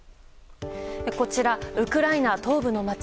こちらウクライナ東部の街。